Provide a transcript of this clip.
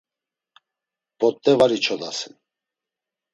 P̆ot̆e var içodasen.